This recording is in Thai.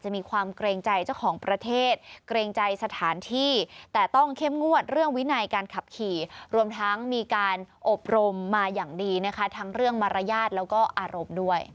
มาอย่างดีนะคะทั้งเรื่องมารยาทแล้วก็อารมณ์ด้วย